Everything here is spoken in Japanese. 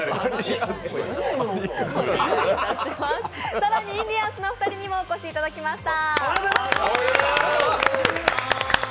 更にインディアンスの２人にもお越しいただきました。